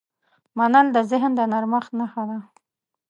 منل د ذهن د نرمښت نښه ده.